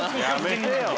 やめてよ。